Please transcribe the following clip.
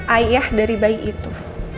ayah dari bayi itu